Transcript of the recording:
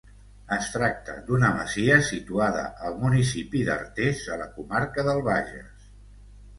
Es tracta d'una masia situada al municipi d'Artés a la comarca del Bages.